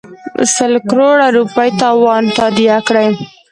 سل کروړه روپۍ تاوان تادیه کړي.